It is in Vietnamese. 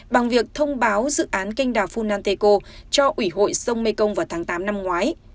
bằng việc thông báo dự án canh đào funanteko cho ủy hội sông mekong vào tháng tám năm ngoái